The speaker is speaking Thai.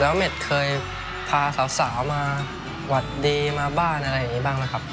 แล้วเม็ดเคยพาสาวมาหวัดดีมาบ้านอะไรอย่างนี้บ้างนะครับ